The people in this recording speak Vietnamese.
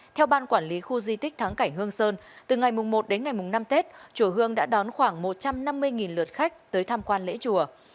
theo ban quản lý khu di tích thắng cảnh hương sơn từ ngày một đến ngày năm tết chùa hương đã đón khoảng một trăm năm mươi lượt khách tới tham quan lễ chùa